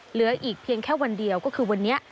เหลืออีกเพียงแค่วันเดียวก็คือวันนี้